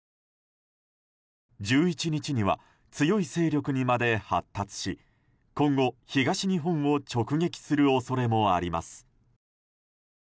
１１日には強い勢力にまで発達し今後、東日本を直撃する恐れもあります。